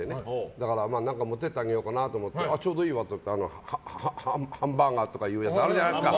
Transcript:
だから何か持っていってあげようかなと思ってちょうどいいわと思ってハンバーガーとかいうやつあるじゃないですか。